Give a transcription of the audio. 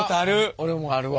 俺もあるわ。